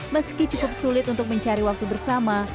meski cukup sulit untuk mencari waktu bersama